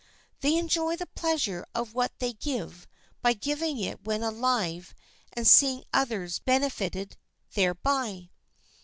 They enjoy the pleasure of what they give by giving it when alive and seeing others benefited thereby.